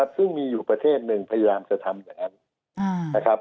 ซึ่งมีอยู่ประเทศหนึ่งพยายามจะทำอย่างนั้นนะครับ